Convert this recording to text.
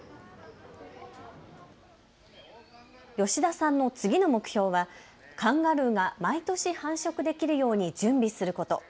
吉田さんの次の目標はカンガルーが毎年、繁殖できるように準備すること。